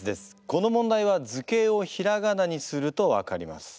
この問題は図形をひらがなにすると分かります。